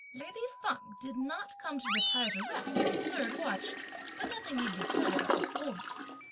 Lady Feng did not come to retire to rest till the third watch; but nothing need be said about the whole night.